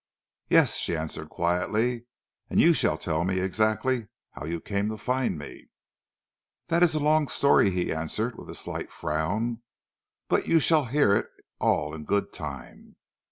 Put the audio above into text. "Yes," she answered quietly, "and you shall tell me exactly how you came to find me." "That is a long story," he answered with a slight frown, "but you shall hear it all in good time.